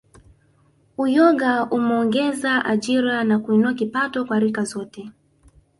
Uyoga umeongeza ajira na kuinua kipato kwa rika zote